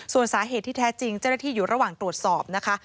ส่วนสาเหตุที่แท้จริงเจ้าหน้าที่อยู่ระหว่างตรวจสอบนะคะ